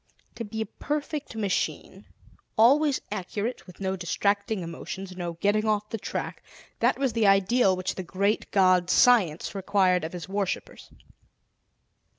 To be a perfect machine, always accurate, with no distracting emotions, no getting off the track that was the ideal which the Great God Science required of his worshippers.